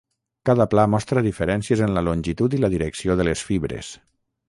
Cada pla mostra diferències en la longitud i la direcció de les fibres.